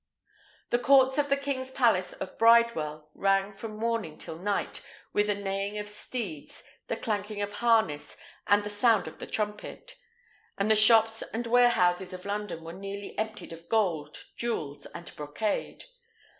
The courts of the king's palace of Bridewell rang from morning till night with the neighing of steeds, the clanking of harness, and the sound of the trumpet; and the shops and warehouses of London were nearly emptied of gold, jewels, and brocade.